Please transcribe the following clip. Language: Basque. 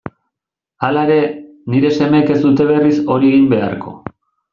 Hala ere, nire semeek ez dute berriz hori egin beharko.